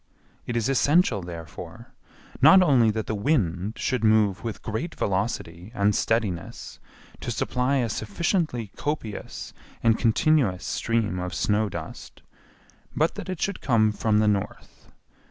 It is essential, therefore, not only that the wind should move with great velocity and steadiness to supply a sufficiently copious and continuous stream of snow dust, but that it should come from the north.